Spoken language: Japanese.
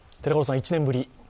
１年ぶり